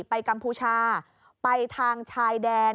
กัมพูชาไปทางชายแดน